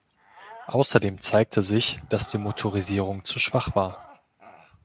Außerdem zeigte sich, dass die Motorisierung zu schwach war.